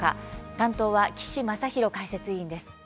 担当は、岸正浩解説委員です。